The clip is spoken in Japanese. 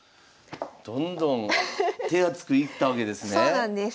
どんどん手厚くいったわけですね。